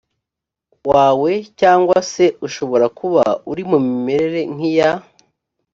wawe cyangwa se ushobora kuba uri mu mimerere nk iya